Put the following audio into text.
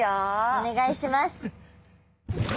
お願いします。